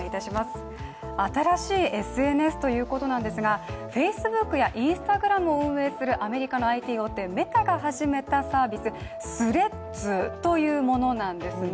新しいＳＮＳということですが、ＦａｃｅｂｏｏｋやＩｎｓｔａｇｒａｍを運営するアメリカのＩＴ大手メタが始めたサービスＴｈｒｅａｄｓというものなんですね。